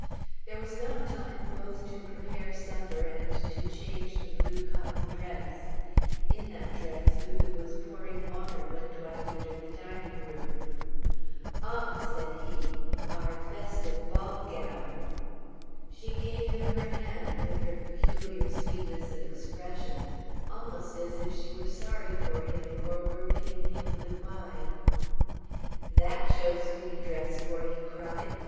There was not time both to prepare supper and to change the blue cotton dress. In that dress Lulu was pouring water when Dwight entered the dining room. "Ah!" said he. "Our festive ball gown." She gave him her hand, with her peculiar sweetness of expression almost as if she were sorry for him or were bidding him good bye. "That shows who you dress for!" he cried.